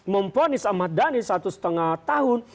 memponis ahmad dhani satu setengah tahun